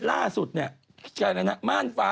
ล่าสุดเนี่ยอะไรนะม่านฟ้า